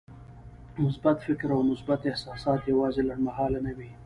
مثبت فکر او مثبت احساسات يوازې لنډمهاله نه وي.